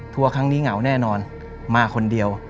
ครั้งนี้เหงาแน่นอนมาคนเดียว